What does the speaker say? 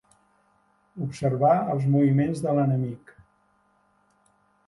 Observar els moviments de l'enemic.